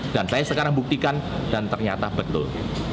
dan saya sekarang buktikan dan ternyata betul